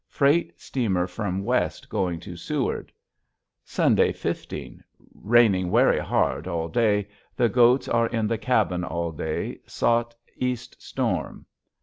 Fraet steamer from West going to Seward. Sun. 15. raining Wary Hard all Day. the goats ar in the cabbin all Day sought Est storm.